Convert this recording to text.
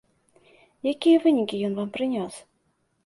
Якія вынікі ён вам прынёс?